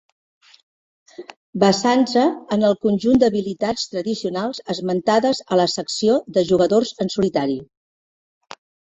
Basant-se en el conjunt d'habilitats tradicionals esmentades a la secció de jugadors en solitari.